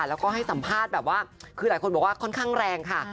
แล้วก็ให้สัมภาษณ์แบบว่าคือหลายคนบอกว่าค่อนข้างแรงค่ะ